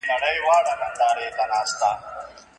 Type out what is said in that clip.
سره خپل به د عمرونو دښمنان سي